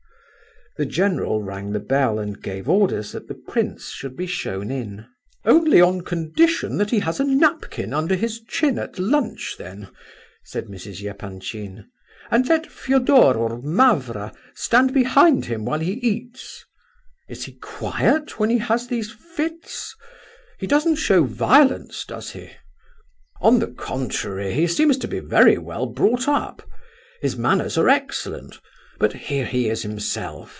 The general rang the bell and gave orders that the prince should be shown in. "Only on condition that he has a napkin under his chin at lunch, then," said Mrs. Epanchin, "and let Fedor, or Mavra, stand behind him while he eats. Is he quiet when he has these fits? He doesn't show violence, does he?" "On the contrary, he seems to be very well brought up. His manners are excellent—but here he is himself.